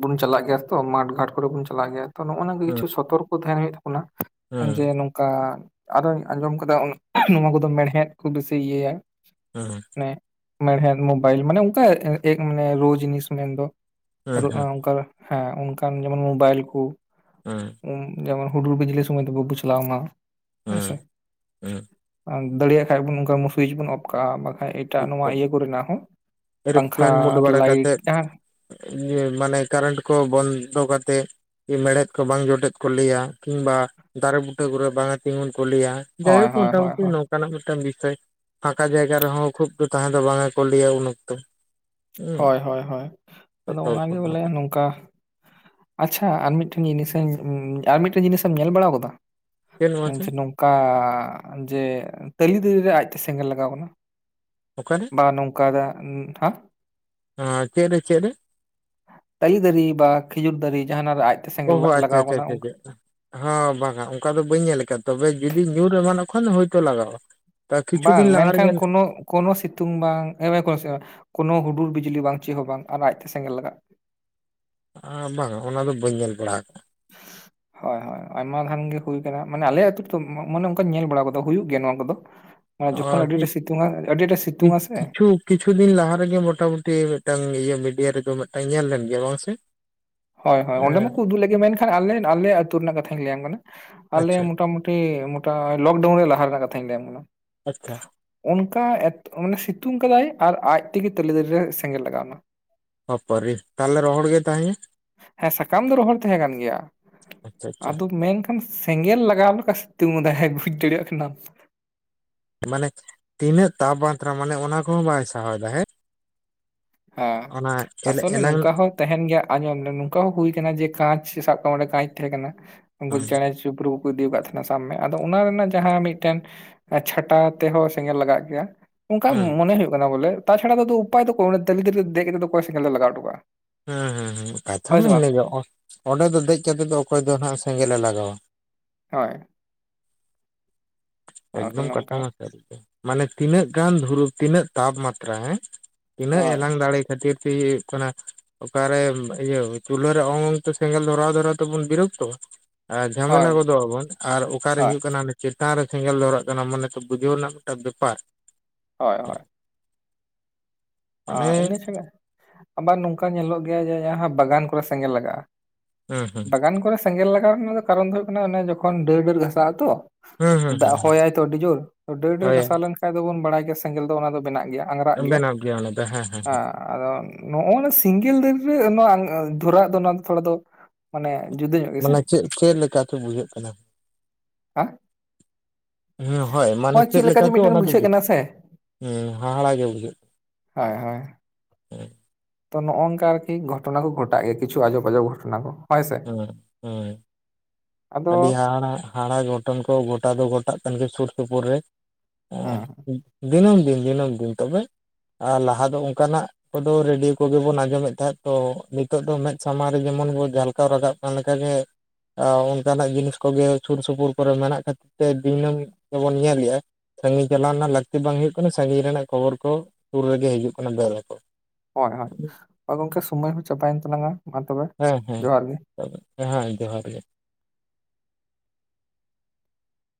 ᱵᱩᱱ ᱪᱟᱞᱟᱜ ᱜᱮᱭᱟ ᱛᱚ ᱢᱟᱴᱷ ᱜᱷᱟᱴ ᱠᱚᱨᱮ ᱵᱩᱱ ᱪᱟᱞᱟᱜ ᱜᱮᱭᱟ ᱛᱚ ᱱᱚᱜᱼᱚᱭ ᱱᱚ ᱦᱩᱸ ᱠᱤᱪᱷᱩ ᱥᱚᱛᱚᱨᱠᱚ ᱛᱟᱦᱮᱱ ᱦᱩᱭᱩᱜ ᱛᱟᱵᱚᱱᱟ ᱦᱩᱸ ᱡᱮ ᱱᱚ ᱚᱱᱠᱟ ᱟᱨᱚᱧ ᱟᱸᱡᱚᱢ ᱟᱠᱟᱫᱟ ᱱᱚᱣᱟ ᱠᱚᱫᱚ ᱢᱮᱲᱦᱮᱫ ᱠᱚ ᱵᱮᱥᱤ ᱤᱭᱟᱹᱭᱟ ᱦᱚᱸ ᱢᱮᱲᱦᱮᱫ ᱢᱳᱵᱟᱭᱤᱞ ᱢᱟᱱᱮ ᱚᱱᱠᱟ ᱮ ᱢᱟᱱᱮ ᱨᱳ ᱡᱤᱱᱤᱥ ᱢᱮᱱᱫᱚ ᱦᱩᱸ ᱟᱨ ᱦᱩᱸ ᱚᱱᱠᱟ ᱦᱮᱸ ᱚᱱᱠᱟᱱ ᱡᱮᱢᱚᱱ ᱢᱳᱵᱟᱭᱤᱞ ᱠᱚ ᱦᱮᱸ ᱡᱮᱢᱚᱱ ᱦᱩᱰᱩᱨ ᱵᱤᱡᱞᱤ ᱥᱚᱢᱚᱭ ᱵᱟᱹᱫ ᱵᱩ ᱪᱞᱟᱣ ᱱᱟ ᱦᱳᱭ ᱦᱩᱸ ᱥᱮ ᱦᱩᱸ ᱫᱟᱲᱮᱭᱟᱜ ᱠᱷᱟᱡ ᱵᱚᱱ ᱚᱱᱠᱟ ᱥᱩᱭᱤᱪ ᱵᱚᱱ ᱚᱯᱷ ᱠᱟᱜᱼᱟ ᱵᱟᱝ ᱵᱟᱠᱷᱟᱡ ᱴᱟᱜ ᱴᱷᱤᱠ ᱱᱚᱣᱟ ᱠᱚ ᱤᱭᱟᱹ ᱠᱚᱨᱮᱱᱟᱜ ᱦᱚᱸ ᱯᱟᱝᱠᱷᱟ ᱮᱨᱳᱯᱞᱮᱱ ᱢᱩᱰ ᱵᱟᱲᱟ ᱞᱟᱭᱤᱴ ᱠᱟᱛᱮᱫ ᱡᱟᱦᱟᱸ ᱢᱟᱱᱮ ᱠᱟᱨᱮᱱᱴ ᱠᱚ ᱵᱚᱱᱫᱚ ᱠᱟᱛᱮᱫ ᱢᱮᱲᱦᱮᱫ ᱠᱚ ᱵᱟᱝ ᱡᱚᱴᱮᱫ ᱠᱚ ᱞᱟᱹᱭᱟ ᱠᱤᱝᱵᱟ ᱫᱟᱨᱮ ᱵᱩᱴᱟᱹ ᱠᱚᱨᱮ ᱵᱟᱝᱟ ᱛᱤᱸᱜᱩᱱ ᱠᱚ ᱞᱟᱹᱭᱟ ᱡᱟᱭ ᱦᱳᱭ ᱦᱳᱠ ᱦᱳᱭ ᱦᱳᱭ ᱢᱚᱴᱟᱢᱩᱴᱤ ᱦᱳᱭ ᱱᱚᱝᱠᱟ ᱚᱱᱠᱟᱱᱟᱜ ᱢᱤᱫᱴᱟᱝ ᱵᱤᱥᱚᱭ ᱯᱷᱟᱸᱠᱟ ᱡᱟᱭᱜᱟ ᱨᱮᱦᱚᱸ ᱠᱷᱩᱵ ᱫᱚ ᱛᱟᱦᱮᱸ ᱫᱚ ᱵᱟᱝᱟ ᱠᱚ ᱞᱟᱹᱭᱟ ᱩᱱ ᱚᱠᱛᱚ ᱦᱩᱸ ᱦᱳᱭ ᱦᱳᱭ ᱦᱳᱭ ᱟᱫᱚ ᱡᱚᱛᱚ ᱚᱱᱟᱜᱮ ᱦᱚᱲ ᱠᱚ ᱵᱚᱞᱮ ᱱᱚᱝᱠᱟ ᱟᱪᱪᱷᱟ ᱟᱨ ᱢᱤᱫᱴᱷᱮᱱ ᱡᱤᱱᱤᱥ ᱟᱨ ᱢᱤᱫᱴᱮᱱ ᱡᱤᱱᱤᱥᱮ ᱮᱢ ᱧᱮᱞ ᱵᱟᱲᱟ ᱟᱠᱟᱫᱟ ᱪᱮᱫ ᱱᱚᱣᱟ ᱥᱮ ᱡᱮ ᱱᱚᱝ ᱚᱠᱟ ᱡᱮ ᱛᱟᱹᱞᱤ ᱫᱟᱨᱤ ᱨᱮ ᱟᱡ ᱛᱮ ᱥᱮᱸᱜᱮᱞ ᱞᱟᱜᱟᱣ ᱟᱠᱟᱱᱟ᱾ ᱚᱠᱟ ᱨᱮ ᱵᱟ ᱱᱚᱝᱠᱟ ᱫᱟ ᱦᱟᱸᱜ ᱦᱚᱸ ᱪᱮᱫ ᱨᱮ ᱪᱮᱫ ᱨᱮ ᱛᱟᱞᱤ ᱫᱟᱨᱮ ᱵᱟ ᱠᱷᱤᱡᱩᱨ ᱫᱟᱨᱮ ᱡᱟᱦᱟᱸᱱᱟᱜ ᱨᱮ ᱟᱡ ᱚ ᱦᱚ ᱟᱪᱪᱷᱟ ᱟᱪᱪᱷᱟ ᱟᱪᱷᱟᱪᱷᱟ ᱦᱚᱸ ᱵᱟᱝᱟ ᱚᱱᱠᱟ ᱫᱚ ᱵᱟᱹᱧ ᱧᱮᱞ ᱟᱠᱟᱫᱟ ᱛᱚᱵᱮ ᱡᱩᱫᱤ ᱧᱩᱨ ᱮᱢᱟᱱᱚᱜ ᱠᱷᱟᱱ ᱦᱳᱭᱛᱳ ᱞᱟᱜᱟᱣᱼᱟ ᱛᱳ ᱠᱤᱪᱷᱩ ᱵᱟᱝ ᱫᱤᱱ ᱞᱟᱦᱟ ᱢᱮᱱᱠᱷᱟᱱ ᱨᱮᱜᱮ ᱠᱳᱱᱳ ᱠᱳᱱᱳ ᱥᱤᱛᱩᱝ ᱵᱟᱝ ᱮᱢᱮ ᱠᱳᱱᱳ ᱥᱤ ᱵᱟᱝ ᱠᱳᱱᱳ ᱦᱩᱰᱩᱨ ᱵᱤᱡᱞᱤ ᱵᱟᱝ ᱪᱮᱫ ᱦᱚᱸ ᱟᱨ ᱟᱡ ᱛᱮ ᱥᱮᱸᱜᱮᱞ ᱞᱟᱜᱼᱟ ᱟᱨ ᱵᱟᱝᱟ ᱚᱱᱟ ᱫᱚ ᱵᱟᱹᱧ ᱧᱮᱞ ᱵᱟᱲᱟ ᱠᱟᱜ-ᱟ <inaudible> ᱦᱳᱭ ᱦᱳᱭ ᱟᱭᱢᱟ ᱫᱷᱟᱱ ᱜᱮ ᱦᱩᱭ ᱟᱠᱟᱱᱟ ᱢᱟᱱᱮ ᱟᱞᱮ ᱟᱛᱳ ᱨᱮᱫᱚ ᱢᱚᱱᱮ ᱚᱱᱠᱟ ᱧᱮᱞ ᱵᱟᱲᱟ ᱟᱠᱟᱫᱟ ᱦᱩᱭᱩᱜ ᱜᱮᱭᱟ ᱱᱚᱣᱟ ᱠᱚᱫᱚ ᱡᱚᱠᱷᱚᱱ ᱟᱹᱰᱤ ᱟᱠᱟᱫᱟ ᱟᱴᱮ ᱥᱤᱛᱩᱝ ᱟ ᱟᱹᱰᱤ ᱟᱴᱮ ᱥᱤᱛᱩᱝ-ᱟ ᱥᱮ ᱠᱤᱪᱷᱩ ᱠᱤᱪᱷᱩ ᱫᱤᱱ ᱞᱟᱦᱟ ᱨᱮᱜᱮ ᱢᱚᱴᱟᱢᱩᱴᱤ ᱢᱤᱫᱴᱟᱝ ᱤᱭᱟᱹ ᱢᱤᱰᱤᱭᱟ ᱨᱮᱫᱚ ᱢᱤᱫᱴᱟᱝ ᱧᱮᱞ ᱞᱮᱱ ᱜᱮᱭᱟ ᱵᱟᱝ ᱥᱮ ᱦᱳᱭ ᱦᱳᱭ ᱚᱸᱰᱮ ᱦᱮᱸ ᱢᱟᱠᱚ ᱩᱫᱩᱜ ᱞᱮᱫ ᱜᱮ ᱢᱮᱱᱠᱷᱟᱱ ᱟᱞᱮᱱ ᱟᱞᱮ ᱟᱹᱛᱩ ᱨᱮᱱᱟᱜ ᱠᱟᱛᱷᱟᱧ ᱞᱟᱹᱭᱟᱢ ᱠᱟᱱᱟ ᱟᱞᱮ ᱟᱪᱪᱷᱟ ᱢᱚᱴᱟᱢᱩᱴᱤ ᱞᱚᱠᱰᱟᱣᱩᱱ ᱨᱮᱭᱟᱜ ᱞᱟᱦᱟ ᱨᱮᱱᱟᱜ ᱠᱟᱛᱷᱟᱧ ᱞᱟᱹᱭᱟᱢ ᱠᱟᱱᱟ ᱟᱪᱪᱷᱟ ᱚᱱᱠᱟ ᱮᱛ ᱢᱟᱱᱮ ᱥᱤᱛᱩᱝ ᱠᱟᱫᱟᱭ ᱟᱨ ᱟᱡ ᱛᱮᱜᱮ ᱛᱟᱞᱮ ᱫᱟᱨᱮ ᱨᱮ ᱥᱮᱸᱜᱮᱞ ᱞᱟᱜᱟᱣ ᱮᱱᱟ᱾ ᱦᱚ-ᱯᱚᱨᱤ ᱛᱟᱦᱚᱞᱮ ᱨᱚᱦᱚᱲ ᱜᱮ ᱛᱟᱦᱮᱱᱟ ᱦᱮᱸ ᱥᱟᱠᱟᱢ ᱫᱚ ᱨᱚᱦᱚᱲ ᱛᱟᱦᱮᱸ ᱠᱟᱱ ᱜᱮᱭᱟ ᱟᱪᱪᱷᱟ ᱟᱪᱪᱷᱟ ᱟᱫᱚ ᱢᱮᱱ ᱱᱠᱷᱟᱱ ᱥᱮᱸᱜᱮᱞ ᱞᱟᱜᱟᱣ ᱞᱮᱠᱟ ᱥᱤᱛᱩᱝ ᱟᱫᱟᱭ ᱵᱩᱡᱽ ᱫᱟᱲᱮᱭᱟᱜ ᱠᱟᱱᱟᱢ᱾ ᱢᱟᱱᱮ ᱛᱤᱱᱟᱹᱜ ᱛᱟᱯᱢᱟᱛᱨᱟ ᱢᱟᱱᱮ ᱚᱱᱟ ᱠᱚᱦᱚᱸ ᱵᱟᱭ ᱥᱟᱦᱟᱣᱮᱫᱟ ᱦᱮᱸ᱾ ᱦᱮᱸ ᱚᱱᱟ ᱟᱥᱚᱞᱮ ᱮᱞᱟᱝ ᱱᱚᱝᱠᱟ ᱦᱚᱸᱠ ᱛᱟᱦᱮᱱ ᱜᱮᱭᱟ ᱟᱸᱡᱚᱢ ᱞᱮᱢ ᱱᱚᱝᱠᱟ ᱦᱚᱸ ᱦᱩᱭ ᱠᱟᱱᱟ ᱡᱮ ᱠᱟᱸᱪ ᱥᱟᱵ ᱠᱟᱜ ᱢᱮ ᱚᱸᱰᱮ ᱠᱟᱸᱪ ᱛᱮᱦᱮᱸ ᱠᱟᱱᱟ ᱩᱱᱠᱩ ᱦᱩᱸ ᱪᱮᱬᱮ ᱪᱩᱯᱨᱩ ᱠᱚᱠᱚ ᱤᱫᱤᱣ ᱠᱟᱫ ᱛᱟᱦᱮᱸᱱᱟ ᱥᱟᱵᱽ ᱢᱮ ᱟᱫᱚ ᱚᱱᱟ ᱨᱮᱱᱟᱜ ᱡᱟᱦᱟᱸ ᱢᱤᱫᱴᱮᱱ ᱪᱷᱟᱴᱟᱣ ᱛᱮᱦᱚᱸ ᱥᱮᱸᱜᱮᱞ ᱞᱟᱜᱟᱜ ᱜᱮᱭᱟ᱾ ᱚᱝᱠᱟᱭ ᱦᱩᱸ ᱢᱚᱱᱮ ᱦᱩᱭᱩᱜ ᱠᱟᱱᱟ ᱵᱚᱞᱮ ᱛᱟᱪᱷᱟᱲᱟ ᱫᱚ ᱩᱯᱟᱭ ᱫᱚᱠᱚ ᱱᱚᱰᱮ ᱛᱟᱞᱮ ᱫᱟᱨᱤ ᱨᱮ ᱫᱮᱡ ᱠᱟᱛᱮᱫ ᱫᱚ ᱚᱠᱚᱭ ᱥᱮᱸᱜᱮᱞ ᱫᱚᱭ ᱞᱟᱜᱟᱣ ᱚᱴᱚ ᱠᱟᱜ-ᱟ᱾ ᱦᱩᱸ ᱦᱩᱸ ᱦᱩᱸ ᱠᱟᱛᱷᱟ ᱢᱟ ᱤᱱᱟᱹ ᱜᱮ ᱚᱸᱰᱮ ᱫᱚ ᱫᱮᱡᱽ ᱠᱟᱛᱮᱫ ᱫᱚ ᱚᱠᱚᱭ ᱫᱚ ᱱᱟᱦᱟᱜ ᱥᱮᱸᱜᱮᱞᱮ ᱞᱟᱜᱟᱣᱟ᱾ ᱦᱚᱭ ᱟᱨᱠᱤ ᱮᱠᱫᱚᱢ ᱠᱟᱛᱷᱟ ᱱᱚᱝᱠᱟ ᱢᱟ ᱥᱟᱹᱨᱤ ᱜᱮ ᱢᱟᱱᱮ ᱛᱤᱱᱟᱹᱜ ᱜᱟᱱ ᱫᱷᱩᱨᱩ ᱛᱤᱱᱟᱹᱜ ᱛᱟᱯᱢᱟᱛᱛᱨᱟ ᱦᱮᱸ, ᱛᱤᱱᱟᱹᱜ ᱦᱳᱭ ᱮᱞᱟᱝ ᱫᱟᱲᱮ ᱠᱷᱟᱹᱛᱤᱨ ᱛᱤ ᱭᱩᱜ ᱠᱟᱱᱟ ᱚᱠᱟᱨᱮ ᱤᱭᱟᱹ ᱪᱩᱞᱦᱟᱹ ᱨᱮ ᱚᱝ ᱚᱝ ᱛᱮ ᱥᱮᱸᱜᱮᱞ ᱫᱷᱚᱨᱟᱣ ᱫᱷᱚᱨᱟᱣ ᱛᱮᱵᱚᱱ ᱵᱤᱨᱚᱠᱛᱚᱜ-ᱟ ᱟᱨ ᱡᱷᱟᱢᱮᱞᱟ ᱦᱳᱭ ᱜᱚᱫᱚᱜ ᱟᱵᱚᱱ ᱟᱨ ᱚᱠᱟ ᱨᱮ ᱦᱳᱭ ᱦᱩᱭᱩᱜ ᱠᱟᱱᱟ ᱱᱤᱠᱤ ᱛᱟᱱ ᱨᱮ ᱥᱮᱸᱜᱮᱞ ᱫᱷᱚᱨᱟᱜ ᱠᱟᱱᱟ ᱢᱚᱱᱮ ᱛᱚ ᱵᱩᱡᱷᱟᱹᱣ ᱨᱮᱱᱟᱜ ᱢᱮᱜᱴᱟᱝ ᱵᱮᱯᱟᱨ᱾ ᱦᱚᱭ ᱦᱚᱭ ᱢᱟᱱᱮ ᱟ ᱤᱱᱟᱹ ᱪᱷᱮᱜᱮ ᱟᱵᱟᱨ ᱱᱚᱝᱠᱟ ᱧᱮᱞᱚᱜ ᱜᱮᱭᱟ ᱡᱮ ᱡᱟᱦᱟᱸ ᱵᱟᱜᱟᱱ ᱠᱚᱨᱮ ᱥᱮᱸᱜᱮᱞ ᱞᱟᱜᱟᱜ-ᱟ ᱦᱩᱸ ᱦᱩᱸ ᱵᱟᱜᱟᱱ ᱠᱚᱨᱮ ᱥᱮᱸᱜᱮᱞ ᱞᱟᱜᱟᱣ ᱨᱮᱱᱟᱜ ᱠᱟᱨᱚᱱ ᱫᱚ ᱦᱩᱭᱩᱜ ᱠᱟᱱᱟ ᱚᱱᱮ ᱡᱚᱠᱷᱚᱱ ᱰᱟᱹᱨ ᱰᱟᱹᱨ ᱜᱷᱟᱥᱟᱜ ᱟᱛᱚ ᱦᱩᱸ ᱦᱩᱸ ᱫᱟᱜ ᱦᱩᱸ ᱦᱚᱭᱟᱭ ᱛᱚ ᱟᱹᱰᱤ ᱡᱳᱨ ᱛᱚ ᱰᱟᱹᱨ ᱰᱟᱹᱨ ᱦᱳᱭ ᱜᱷᱟᱥᱟᱣ ᱞᱮᱱᱠᱷᱟᱡ ᱫᱚᱵᱚᱱ ᱵᱟᱲᱟᱭ ᱜᱮᱭᱟ ᱥᱮᱸᱜᱮᱞ ᱫᱚ ᱚᱱᱟ ᱫᱚ ᱵᱮᱱᱟᱜ ᱜᱮᱭᱟ᱾ ᱵᱮᱱᱟᱣᱜ ᱜᱮᱭᱟ ᱚᱱᱟ ᱫᱚ ᱦᱮᱸ ᱦᱮᱸ ᱦᱮᱸ ᱟᱫᱚ ᱱᱚᱜ-ᱚ ᱱᱟ ᱥᱤᱝᱜᱮᱞ ᱫᱟᱹᱨᱤ ᱨᱮ ᱱᱚᱣᱟ ᱫᱷᱚᱨᱟᱣ ᱫᱚ ᱱᱚᱣᱟ ᱫᱚ ᱛᱷᱚᱲᱟ ᱫᱚ ᱢᱟᱱᱮ ᱡᱩᱫᱟᱹ ᱧᱚᱜ ᱜᱮᱥᱮ ᱢᱟᱱᱮ ᱪᱮᱫ ᱪᱮᱫ ᱞᱮᱠᱟ ᱪᱚ ᱵᱩᱡᱷᱟᱹᱜ ᱠᱟᱱᱟ ᱦᱮᱸ ᱦᱩᱸ ᱦᱳᱭ ᱢᱟᱱᱮ ᱱᱚᱜᱼᱚᱭ ᱪᱮᱜ ᱪᱮᱫ ᱞᱮᱠᱟ ᱡᱮ ᱪᱚ ᱢᱤᱫᱴᱮᱱ ᱚᱱᱟ ᱫᱚ ᱠᱟᱱᱟ ᱵᱩᱡᱷᱟᱹᱜ ᱥᱮ ᱦᱩᱸ ᱦᱟᱦᱟᱲᱟ ᱜᱮ ᱵᱩᱡᱷᱟᱹᱜ ᱠᱟᱱᱟ᱾ ᱦᱚᱭ ᱦᱚᱭ ᱛᱚ ᱱᱚᱜ-ᱚᱝ ᱠᱟ ᱟᱨᱠᱤ ᱜᱷᱚᱴᱱᱟ ᱠᱚ ᱜᱚᱴᱟᱜ ᱜᱮᱭᱟ ᱠᱤᱪᱷᱩ ᱟᱡᱚᱵ ᱟᱡᱚᱰ ᱜᱷᱟᱴᱚᱱᱟ ᱠᱚ᱾ ᱦᱳᱭ ᱥᱮ ᱦᱩᱸ ᱦᱳᱭ ᱟᱫᱚ ᱟᱹᱰᱤ ᱦᱟᱦᱟᱲᱟᱜ ᱦᱟᱲᱟ ᱜᱷᱚᱴᱚᱱ ᱠᱚ ᱜᱚᱴᱟ ᱫᱚ ᱜᱚᱴᱟᱜ ᱠᱟᱱ ᱜᱮᱭᱟ ᱥᱩᱨ ᱥᱩᱯᱩᱨ ᱨᱮ, ᱦᱩᱸ ᱮᱸ ᱫᱤᱱᱚᱢ ᱫᱤᱱ ᱫᱤᱱᱚᱢ ᱫᱤᱱ, ᱛᱚᱵᱮ ᱟᱨ ᱞᱟᱦᱟ ᱫᱚ ᱚᱱᱠᱟ ᱱᱟᱜ ᱠᱚᱫᱚ ᱨᱮᱰᱤᱭᱳ ᱠᱚᱜᱮ ᱵᱚᱱ ᱟᱸᱡᱚᱢᱮᱫ ᱛᱟᱦᱮᱸᱫ, ᱛᱚ ᱱᱤᱛᱚᱜ ᱫᱚ ᱢᱮᱫ ᱥᱟᱢᱟᱝ ᱨᱮ ᱡᱮᱢᱚᱱ ᱵᱚᱱ ᱡᱷᱟᱞᱠᱟᱣ ᱨᱟᱠᱟᱵ ᱠᱟᱱ ᱞᱮᱠᱟ ᱜᱮ ᱚᱱᱠᱟᱱᱟᱜ ᱡᱤᱱᱤᱥ ᱠᱚᱜᱮ ᱥᱩᱨ ᱥᱩᱯᱩᱨ ᱠᱚᱨᱮ ᱢᱮᱱᱟᱜ ᱠᱷᱟᱹᱛᱤᱨ ᱛᱮ ᱫᱤᱱᱚᱢ ᱜᱮᱵᱚᱱ ᱧᱮᱞᱮᱜ-ᱟ, ᱥᱟᱺᱜᱤᱧ ᱪᱟᱞᱟᱣ ᱨᱮᱱᱟᱜ ᱞᱟᱹᱠᱛᱤ ᱵᱟᱝ ᱦᱩᱭᱩᱜ ᱠᱟᱱᱟ, ᱥᱟᱺᱜᱤᱧ ᱨᱮᱱᱟᱜ ᱠᱷᱚᱵᱚᱨ ᱠᱚ ᱥᱩᱨ ᱨᱮᱜᱮ ᱦᱤᱡᱩᱜ ᱠᱟᱱᱟ ᱫᱮ ᱞᱟᱠᱚ᱾ ᱦᱚᱭ ᱦᱚᱭ ᱟ ᱜᱚᱝᱠᱮ, ᱥᱳᱢᱳᱭ ᱦᱚᱸ ᱪᱟᱵᱟᱭᱮᱱ ᱛᱟᱞᱟᱝ-ᱟ᱾ ᱢᱟ ᱛᱚᱵᱮ ᱦᱮᱸ ᱡᱚᱦᱟᱨ ᱜᱮ ᱦᱮᱸ ᱦᱮᱸ ᱡᱚᱦᱟᱨ ᱜᱮ᱾